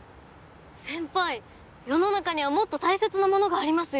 先輩世の中にはもっと大切なものがありますよ。